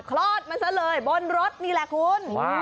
ฆลอดมาเสิร์ฯเลยบนรถนี่แหละคุณ